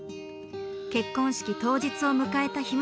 結婚式当日を迎えたひむ